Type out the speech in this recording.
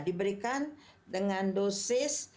diberikan dengan dosis